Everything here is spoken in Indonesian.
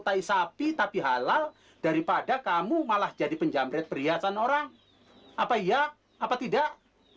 terima kasih sapi tapi halal daripada kamu malah jadi penjamret perhiasan orang apa iya apa tidak